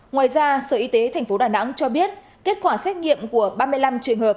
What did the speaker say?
ngoài ra sở y tế tp đà nẵng cho biết kết quả xét nghiệm của ba mươi năm trường hợp